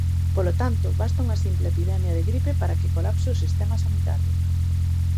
Polo tanto, basta unha simple epidemia de gripe para que colapse o sistema sanitario.